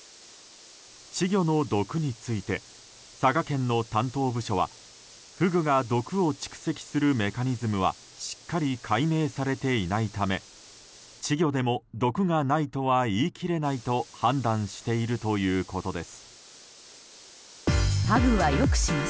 稚魚の毒について佐賀県の担当部署はフグが毒を蓄積するメカニズムはしっかり解明されていないため稚魚でも毒がないとは言い切れないと判断しているということです。